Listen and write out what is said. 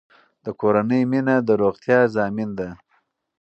د کورنۍ مینه د روغتیا ضامن ده.